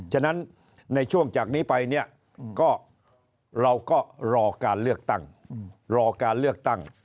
ฉะนั้นในช่วงจากนี้ไปเราก็รอการเลือกตั้ง